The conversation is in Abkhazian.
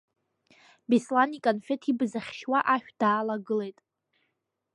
Беслан иконфеҭ ибз ахьшьуа ашә даалагылеит…